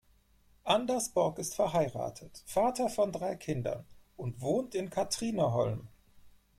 Anders Borg ist verheiratet, Vater von drei Kindern und wohnt in Katrineholm.